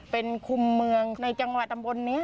เป็นคุมเมืองในจังหวัดตำบลนี้